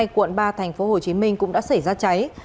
quận ba tp hcm cũng đã xảy ra cháy